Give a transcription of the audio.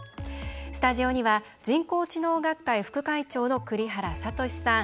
スタジオには人工知能学会副会長の栗原聡さん。